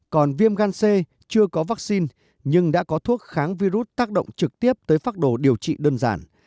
còn viêm gan c chưa có vaccine nhưng đã có thuốc kháng virus tác động trực tiếp tới phác đồ điều trị đơn giản